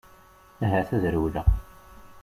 Ahat ad rewleɣ.